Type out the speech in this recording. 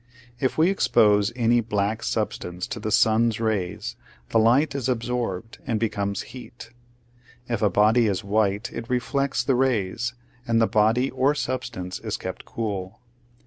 If we expose any black substance to the sun's rays, the light is absorbed and becomes heat. If a body is white it reflects the rays, and the body or substance is kept cool.